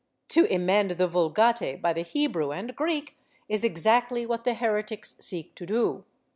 To emend the Vulgate by the Hebrew and Greek is exactly what the heretics seek to do.